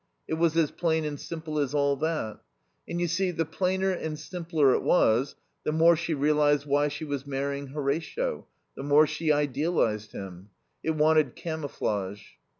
It was as plain and simple as all that. And you see, the plainer and simpler it was, the more she realized why she was marrying Horatio, the more she idealized him. It wanted camouflage."